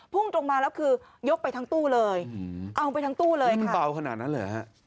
พุ่งตรงมาแล้วคือยกไปทั้งตู้เลยเอาไปทั้งตู้เลยมันเบาขนาดนั้นเลยเหรอฮะ